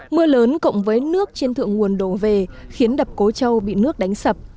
mưa lớn cộng với nước trên thượng nguồn đổ về khiến đập cố châu bị nước đánh sập